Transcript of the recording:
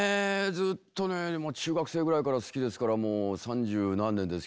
ずっとねもう中学生ぐらいから好きですからもう三十何年ですけど。